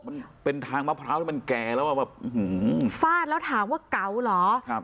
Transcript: มันเป็นทางมะพร้าวที่มันแก่แล้วอ่ะแบบฟาดแล้วถามว่าเก๋าเหรอครับ